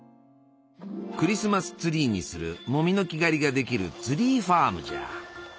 クリスマスツリーにするモミの木刈りができるツリーファームじゃ。